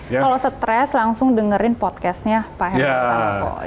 kalau stress langsung dengerin podcastnya pak hermanto